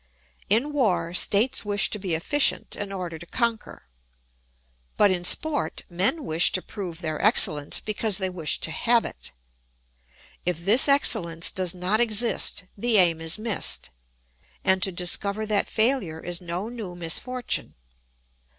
In war states wish to be efficient in order to conquer, but in sport men wish to prove their excellence because they wish to have it. If this excellence does not exist, the aim is missed, and to discover that failure is no new misfortune.